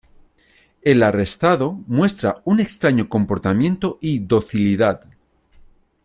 El arrestado muestra un extraño comportamiento y docilidad.